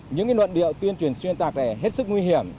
những luận điệu tuyên truyền xuyên tạc này hết sức nguy hiểm